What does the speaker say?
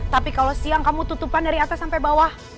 tapi kalau siang kamu tutupan dari atas sampai bawah